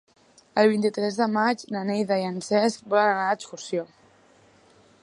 El vint-i-tres de maig na Neida i en Cesc volen anar d'excursió.